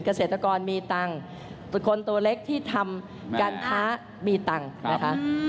เกษตรกรมีตังค์คนตัวเล็กที่ทำการค้ามีตังค์นะคะ